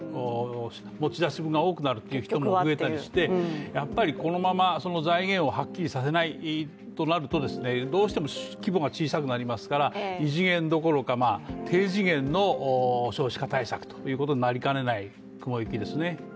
持ち出し分が大きくなる部分が増えたとしてこのまま財源をはっきりさせないとなるとどうしても規模が小さくなりますから異次元どころか低次元の少子化対策ということになりかねない雲行きですね。